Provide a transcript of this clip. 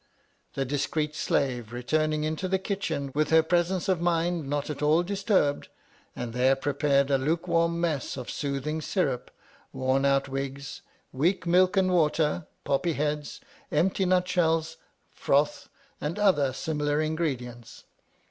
The discreet slave returned into the kitchen, with her presence of mind not at all disturbed, and there prepared a lukewarm mess of soothing syrup, worn out wigs, weak milk and water, poppy heads, empty nut shells, froth, and other similar ingredients.